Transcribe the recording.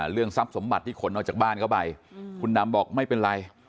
เรื่องทรัพย์สมบัติที่ขนออกจากบ้านเข้าไปคุณดำบอกไม่เป็นไร